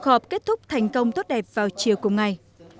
họp kết thúc thành công tốt đẹp vào chiều cùng ngày